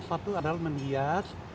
satu adalah mendias